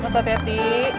gak usah hati hati